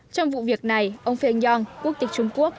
trong vụ việc này ông phi anh yong quốc tịch trung quốc